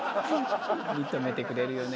認めてくれるよね。